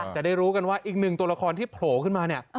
จะได้รู้กันว่าอีกหนึ่งตัวละครที่โผล่ขึ้นมาเนี่ย